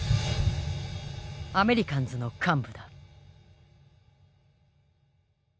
アメリカンズの幹部だ。